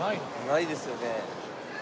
ないですよね。